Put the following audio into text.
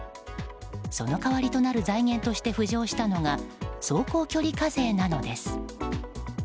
その代わりとなる財源として浮上したのが走行距離課税なのです。